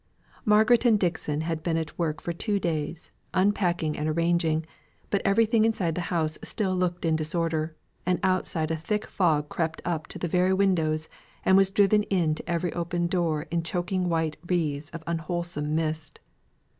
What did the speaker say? Margaret and Dixon had been at work two days, unpacking and arranging, but everything inside the house still looked in disorder; and outside a thick fog crept up to the very windows, and was driven in to every open door in choking white wreaths of unwholsome mist.